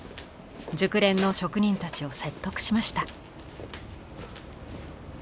熟練の職人たちを説得しました。